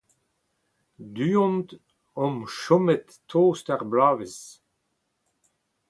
Du-hont omp chomet tost ur bloavezh.